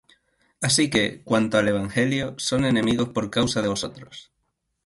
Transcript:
Así que, cuanto al evangelio, son enemigos por causa de vosotros: